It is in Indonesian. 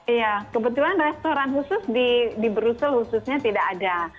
iya kebetulan restoran khusus di brussel khususnya tidak ada